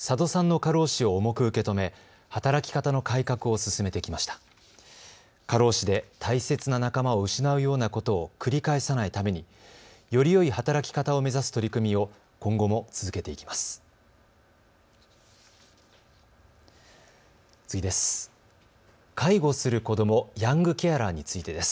過労死で大切な仲間を失うようなことを繰り返さないためによりよい働き方を目指す取り組みを今後も続けていきます。